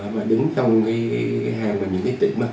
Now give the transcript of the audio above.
và đứng trong hàng những tỉnh cao nhất trong sống lai tỉnh thạch